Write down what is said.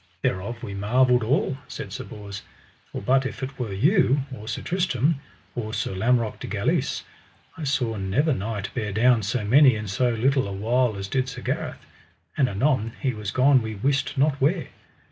Thereof we marvelled all, said Sir Bors, for but if it were you, or Sir Tristram, or Sir Lamorak de Galis, I saw never knight bear down so many in so little a while as did Sir Gareth: and anon he was gone we wist not where.